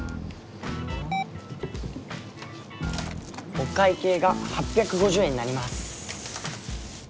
お会計が８５０円になります。